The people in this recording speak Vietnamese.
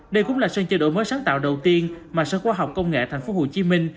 đây cũng là sân chế đội mới sáng tạo đầu tiên mà sở khoa học công nghệ tp hcm